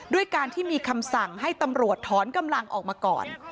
ด้วยการที่มีคำสั่งให้ตำรวจถอนกำลังออกมาก่อน